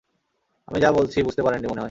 আমি যা বলছি বুঝতে পারেননি মনে হয়?